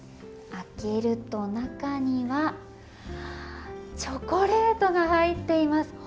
開けると中にはチョコレートが入っています。